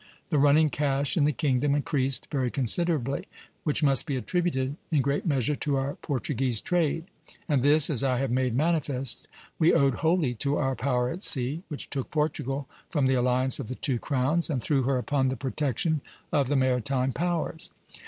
The running cash in the kingdom increased very considerably, which must be attributed in great measure to our Portuguese trade; and this, as I have made manifest, we owed wholly to our power at sea [which took Portugal from the alliance of the two crowns, and threw her upon the protection of the maritime powers].